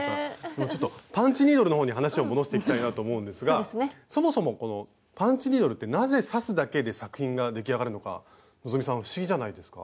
ちょっとパンチニードルのほうに話を戻していきたいなと思うんですがそもそもこのパンチニードルってなぜ刺すだけで作品が出来上がるのか希さん不思議じゃないですか？